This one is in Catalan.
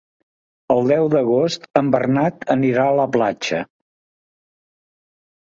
El deu d'agost en Bernat anirà a la platja.